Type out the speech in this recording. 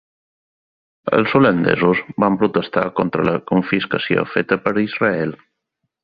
Els holandesos van protestar contra la confiscació feta per Israel.